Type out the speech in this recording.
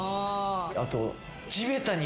あと。